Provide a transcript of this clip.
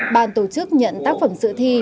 bàn tổ chức nhận tác phẩm sự thi